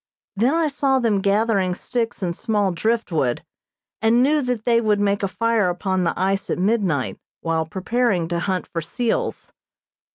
Then I saw them gathering sticks and small driftwood, and knew that they would make a fire upon the ice at midnight, while preparing to hunt for seals.